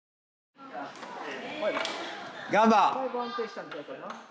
・ガンバッ！